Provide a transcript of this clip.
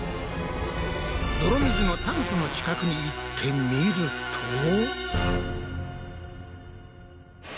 泥水のタンクの近くに行ってみると。